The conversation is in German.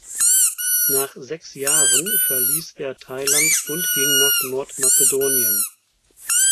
Nach sechs Jahren verließ er Thailand und ging nach Nordmazedonien.